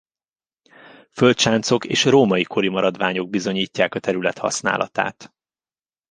Földsáncok és római kori maradványok bizonyítják a terület használatát.